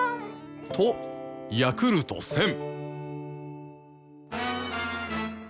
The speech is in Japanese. ヤクルト１０００